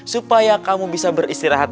supaya kamu bisa beristirahat